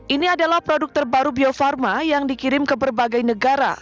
ini adalah produk terbaru bio farma yang dikirim ke berbagai negara